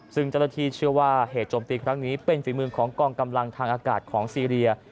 ซึ่งเจ้าหน้าที่เชื่อว่าเหตุโจมตีครั้งนี้เป็นฝีมือของกองกำลังทางอากาศของซีเรีย